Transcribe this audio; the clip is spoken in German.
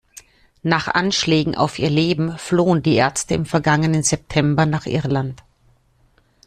Nach Anschlägen auf ihr Leben flohen die Ärzte im vergangenen September nach Irland.